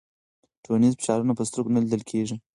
ټولنیز فشارونه په سترګو نه لیدل کېږي.